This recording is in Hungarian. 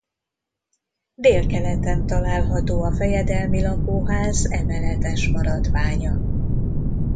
Délkeleten található a fejedelmi lakóház emeletes maradványa.